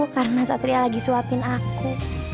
karena satria lagi suapin aku